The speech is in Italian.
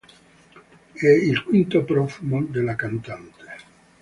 È il quinto profumo della cantante.